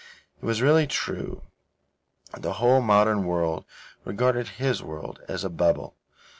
It was really true that the whole modern world regarded his world as a bubble.